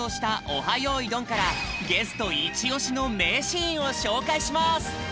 よいどん」からゲストいちおしのめいシーンをしょうかいします！